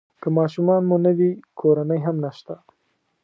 که ماشومان مو نه وي کورنۍ هم نشته.